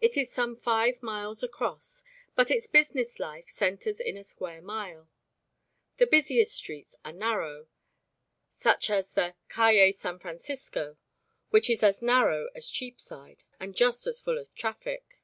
It is some five miles across, but its business life centres in a square mile. The busiest streets are narrow such as the Calle San Francisco, which is as narrow as Cheapside and just as full of traffic.